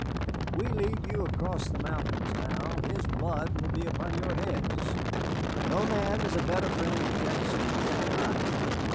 If we lead you across the mountains now, his blood will be upon your heads. No man is a better friend to Jack Sevier than I.